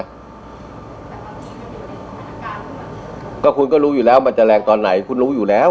ก็คุณก็รู้อยู่แล้วมันจะแรงตอนไหนคุณรู้อยู่แล้ว